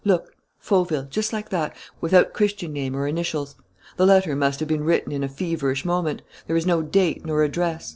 Look, 'Fauville,' just like that, without Christian name or initials. The letter must have been written in a feverish moment: there is no date nor address....